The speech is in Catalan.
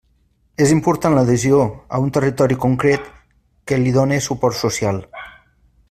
És important l'adhesió a un territori concret que li done suport social.